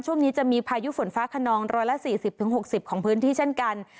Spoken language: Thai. ช่วงนี้จะมีพายุฝนฟ้าขนอง๑๔๐๖๐ของพื้นที่เช่นกัน